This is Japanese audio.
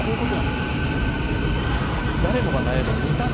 誰もが悩む二択